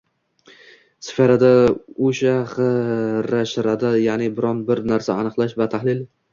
sferada”, o‘sha g‘ira-shirada, ya’ni biron bir narsani aniqlash va tahlil